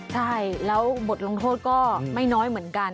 ใช่แล้วบทลงโทษก็ไม่น้อยเหมือนกัน